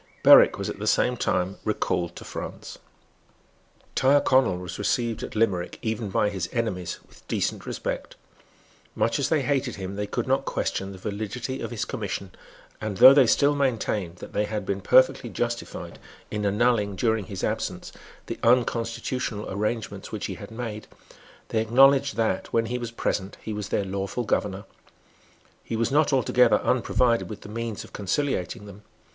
Berwick was at the same time recalled to France. Tyrconnel was received at Limerick, even by his enemies, with decent respect. Much as they hated him, they could not question the validity of his commission; and, though they still maintained that they had been perfectly justified in annulling, during his absence, the unconstitutional arrangements which he had made, they acknowledged that, when he was present, he was their lawful governor. He was not altogether unprovided with the means of conciliating them.